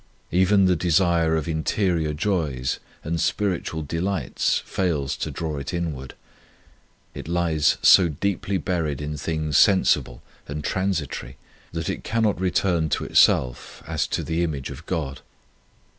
Even the desire of interior joys and spiritual delights fails to draw it inward. It lies so deeply buried in things sensible and transitory that it cannot return to itself as to the image of God.